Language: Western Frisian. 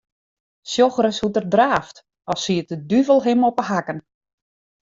Sjoch ris hoe't er draaft, as siet de duvel him op 'e hakken.